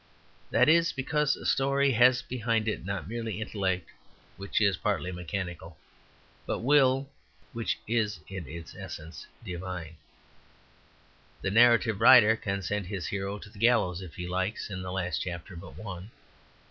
That is because a story has behind it, not merely intellect which is partly mechanical, but will, which is in its essence divine. The narrative writer can send his hero to the gallows if he likes in the last chapter but one.